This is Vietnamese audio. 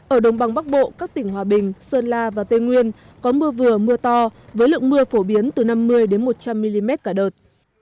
ở đồng bằng bắc bộ các tỉnh hòa bình sơn la và tây nguyên có mưa vừa mưa to với lượng mưa phổ biến từ năm mươi một trăm linh mm cả đợt